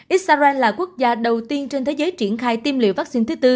israel là quốc gia đầu tiên trên thế giới triển khai tiêm liệu vaccine thứ bốn